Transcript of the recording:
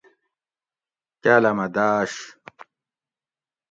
کالامہ داۤش